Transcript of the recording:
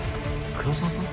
黒澤さん！？